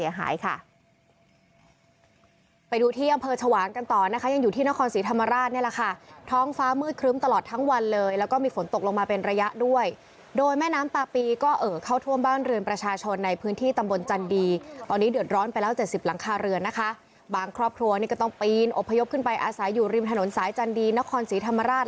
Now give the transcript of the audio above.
อยู่ที่นครสีธรรมราชเนี่ยล่ะค่ะท้องฟ้ามืดครึ้มตลอดทั้งวันเลยแล้วก็มีฝนตกลงมาเป็นระยะด้วยโดยแม่น้ำปลาปีก็เอ่อเข้าท่วมบ้านเรือนประชาชนในพื้นที่ตำบลจันทร์ดีตอนนี้เดือดร้อนไปแล้วเจ็ดสิบหลังคาเรือนนะคะบางครอบครัวนี่ก็ต้องปีนอบพยพขึ้นไปอาศัยอยู่ริมถนนสายจันทร์ดีนครสี